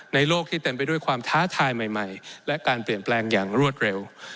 โลกที่เต็มไปด้วยความท้าทายใหม่และการเปลี่ยนแปลงอย่างรวดเร็ว